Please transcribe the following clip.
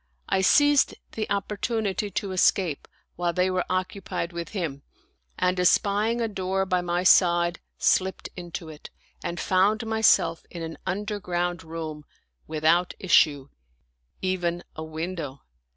I seized the opportunity to escape while they were occupied with him, and espying a door by my side, slipped into it and found myself in an underground room, without issue, even a window.